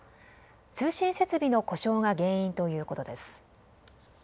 通信設備の故障が原因ということです。